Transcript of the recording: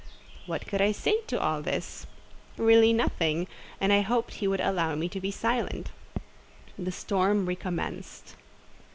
What could I say to all this? Really nothing; and I hoped he would allow me to be silent. The storm recommenced.